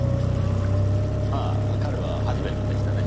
ああ彼は初めてでしたね。